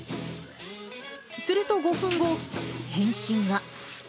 すると５分後、返信が。